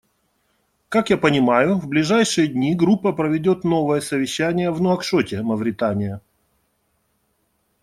Как я понимаю, в ближайшие дни Группа проведет новое совещание в Нуакшоте, Мавритания.